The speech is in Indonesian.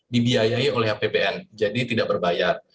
dibiayai oleh apbn jadi tidak berbayar